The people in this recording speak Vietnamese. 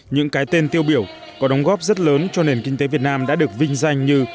những cái tên tiêu biểu có đóng góp rất lớn cho nền kinh tế việt nam đã được vinh danh như